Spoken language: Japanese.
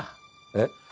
えっ？